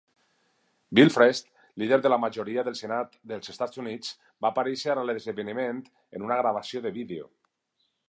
Bill Frist, líder de la majoria al senat dels EUA, va aparèixer a l'esdeveniment en una gravació de vídeo.